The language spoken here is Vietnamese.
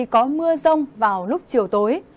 có mưa rông vào lúc chiều tối